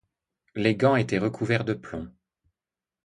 Les gants étaient recouverts de plomb.